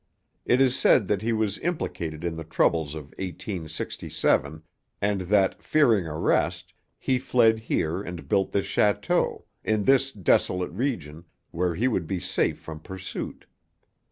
It is said that he was implicated in the troubles of 1867, and that, fearing arrest, he fled here and built this château, in this desolate region, where he would be safe from pursuit.